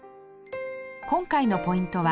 今回のポイントは